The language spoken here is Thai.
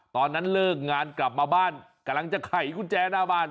ตอนนั้นเลิกงานกลับมาบ้านกำลังจะไขกุญแจหน้าบ้าน